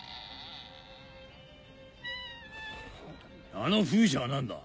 あの風車は何だ？